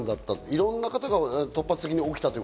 いろんなところで突発的に起きた。